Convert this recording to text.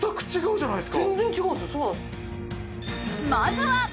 まずは。